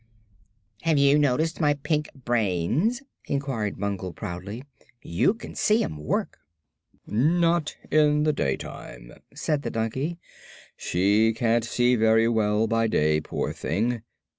"Have you noticed my pink brains?" inquired Bungle, proudly. "You can see 'em work." "Not in the daytime," said the donkey. "She can't see very well by day, poor thing.